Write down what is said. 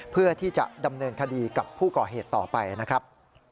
เพื่อที่จะดำเนินคดีกับผู้ก่อเหตุต่อไปนะครับ